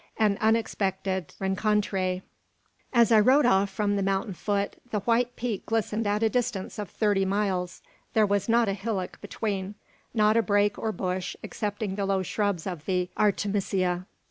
AN UNEXPECTED RENCONTRE. As I rode off from the mountain foot, the white peak glistened at a distance of thirty miles. There was not a hillock between: not a brake or bush, excepting the low shrubs of the artemisia.